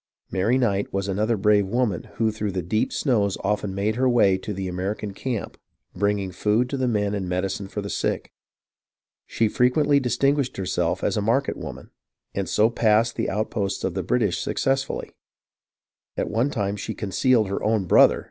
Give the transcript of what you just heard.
Mary Knight was another brave woman who through the deep snows often made her way to the American camp, bringing food to the men and medicine for the sick. She frequently disguised herself as a market woman, and so passed the outposts of the British successfully. At one time she concealed her own brother.